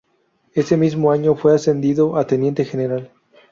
Ese mismo año fue ascendido a teniente general.